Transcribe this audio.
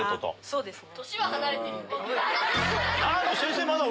そうですね。